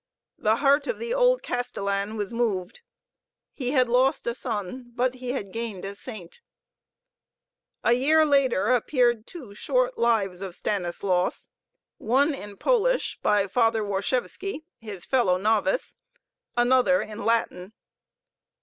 The heart of the old Castellan was moved. He had lost a son, but he had gained a saint. A year later appeared two short Lives of Stanislaus, one in Polish by Father Warscewiski, his fellow novice, another in Latin.